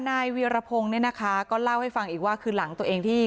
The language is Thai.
นายเวียรพงศ์เนี่ยนะคะก็เล่าให้ฟังอีกว่าคือหลังตัวเองที่